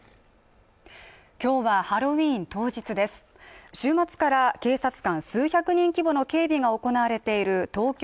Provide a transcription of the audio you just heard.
今日はハロウィーン当日です週末から警察官数百人規模の警備が行われている東京